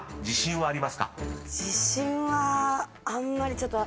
自信はあんまり。